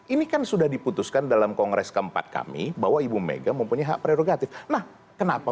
ini kan sudah diputuskan dalam kongres keempat kami bahwa ibu mega mempunyai hak prerogatif nah kenapa